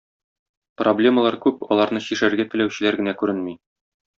Проблемалар күп, аларны чишәргә теләүчеләр генә күренми.